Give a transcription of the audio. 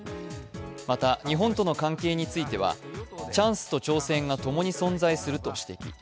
また、日本との関係についてはチャンスと挑戦が共に存在すると指摘。